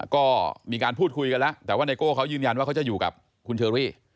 ก็มีการพูดคุยกันละแต่ไนโก้เค้ายืนยันว่าเค้าอยู่กับคุณเชอรี่